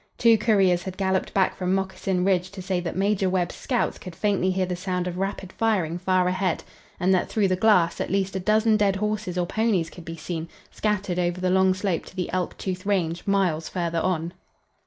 Two couriers had galloped back from Moccasin Ridge to say that Major Webb's scouts could faintly hear the sound of rapid firing far ahead, and that, through the glass, at least a dozen dead horses or ponies could be seen scattered over the long slope to the Elk Tooth range, miles further on.